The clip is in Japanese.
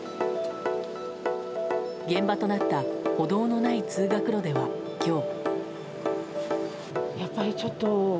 現場となった歩道のない通学路では今日。